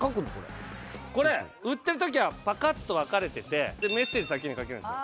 これ売ってる時はパカっと分かれててメッセージ先に書けるんですよ。